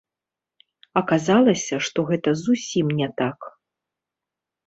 Аказалася, што гэта зусім не так.